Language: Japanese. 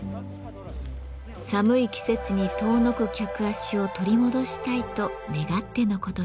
寒い季節に遠のく客足を取り戻したいと願ってのことでした。